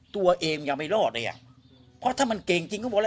ตัวเองยังไม่รอดเลยอ่ะเพราะถ้ามันเก่งจริงก็บอกแล้ว